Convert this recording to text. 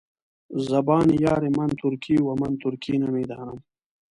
زبان یار من ترکي ومن ترکي نمیدانم.